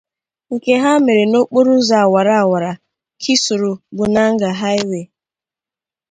nke ha mere n'okporoụzọ awara-awara 'Kisoro-Bunagana Highway'.